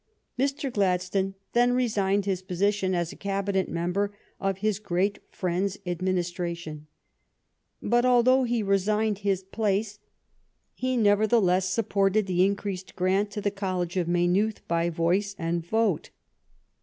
Mr. Gladstone then resigned his position as a Cabinet member of his great friend's administra tion. But although he resigned his place, he nevertheless supported the increased grant to the College of Maynooth by voice and vote.